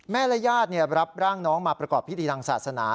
และญาติรับร่างน้องมาประกอบพิธีทางศาสนา